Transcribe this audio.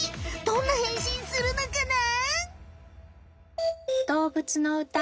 どんな変身するのかな？